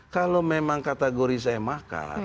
kalau memang kategori saya makar